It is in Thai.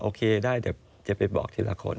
โอเคได้จะไปบอกทีละคน